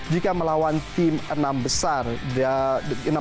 jika melawan tim enam besar